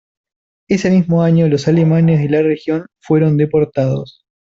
Ese mismo año los alemanes de la región fueron deportados.